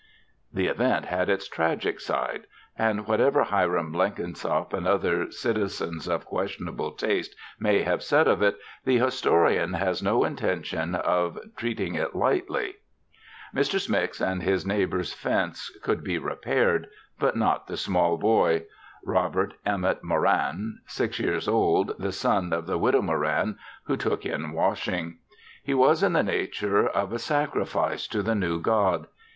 The event had its tragic side and whatever Hiram Blenkinsop and other citizens of questionable taste may have said of it, the historian has no intention of treating it lightly. Mr. Smix and his neighbor's fence could be repaired but not the small boy Robert Emmet Moran, six years old, the son of the Widow Moran who took in washing. He was in the nature of a sacrifice to the new god.